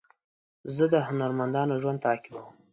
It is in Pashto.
زه د هنرمندانو ژوند تعقیبوم.